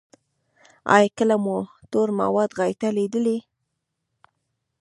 ایا کله مو تور مواد غایطه لیدلي؟